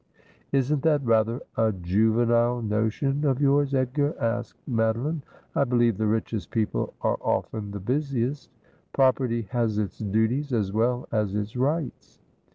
' Isn't that rather a juvenile notion of yours, Edgar ?' asked Madoline. ' I believe the richest people are often the busiest. Property has its duties as well as its rights.'